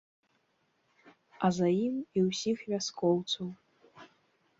А за ім і ўсіх вяскоўцаў.